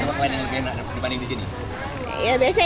ya sekarang biasanya tempat lain yang lebih enak dari kaya di sini